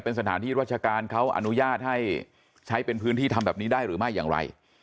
เป็นสถานที่ราชการเขาอนุญาตให้ใช้เป็นพื้นที่ทำแบบนี้ได้หรือไม่อย่างไร